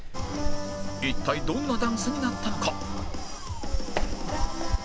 一体どんなダンスになったのか？